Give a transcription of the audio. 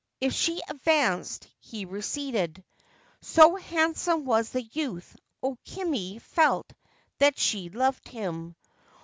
If she advanced, he receded. So handsome was the youth, O Kimi felt that she loved him.